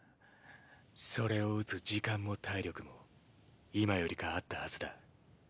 それを打つ時間も体力も今よりかあったはずだ。